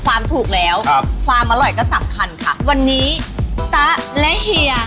ถูกแล้วครับความอร่อยก็สำคัญค่ะวันนี้จ๊ะและเฮีย